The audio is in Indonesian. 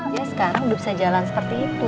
dia sekarang udah bisa jalan seperti itu